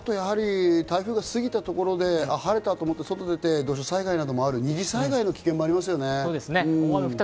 台風が過ぎたところで晴れたと思って、土砂災害もある、二次災害の危険もありますね。